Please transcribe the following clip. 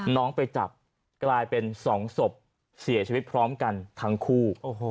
น้องไปจับกลายเป็น๒ศพเสียชีวิตพร้อมกันทั้งคู่